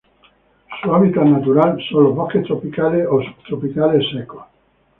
Su natural hábitat son los bosques tropicales o subtropicales secos.